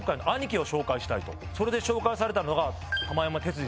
それで紹介されたのが。